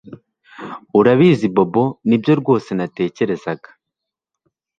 Urabizi Bobo nibyo rwose natekerezaga